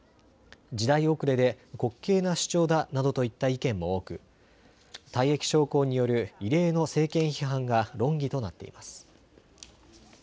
時代遅れで滑稽な主張だなどといった意見も多く、退役将校による異例の政権批判が論議となっています。